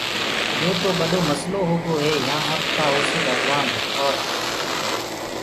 يو تو ٻڏو مسلو هوگو هي يهآن اب ڪآ هوسيٚ ڀگوآن اور